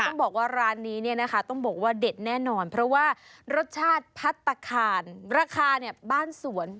ต้องบอกว่าร้านนี้เนี่ยนะคะต้องบอกว่าเด็ดแน่นอนเพราะว่ารสชาติพัฒนาคารราคาเนี่ยบ้านสวน